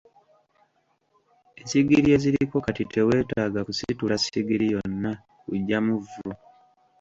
Essigiri eziriko kati tewetaaga kusitula ssigiri yonna kuggyamu vvu.